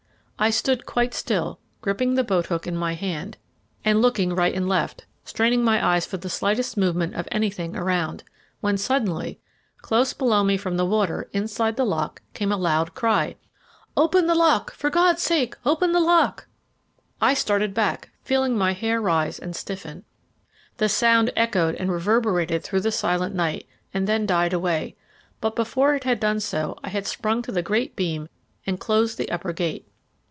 I stood quite still, gripping the boat hook in my hand, and looking right and left, straining my eyes for the slightest movement of anything around, when suddenly, close below me from the water, inside the lock, came a loud cry "Open the lock, for God's sake, open the lock!" I started back, feeling my hair rise and stiffen. The sound echoed and reverberated through the silent night, and then died away; but before it had done so I had sprung to the great beam and closed the upper gate.